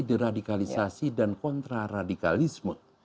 deradikalisasi dan kontraradikalisme